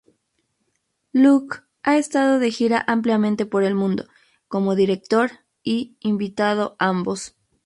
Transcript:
Locke ha estado de gira ampliamente por el mundo, como director y invitado ambos.